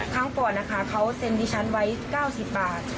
ครั้งก่อนนะคะเขาเซ็นดิฉันไว้๙๐บาท